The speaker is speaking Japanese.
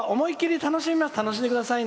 楽しんでくださいね。